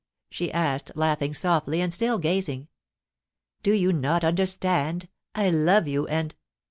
she asked, laughing softly, and still gazing. * Do you not understand ? I love you — and